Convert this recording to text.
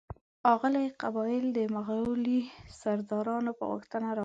اوغاني قبایل د مغولي سردارانو په غوښتنه راغلي.